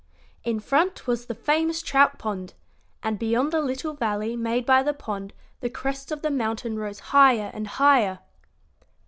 In front was the famous trout pond, and beyond the little valley made by the pond the crest of the mountain rose higher and higher.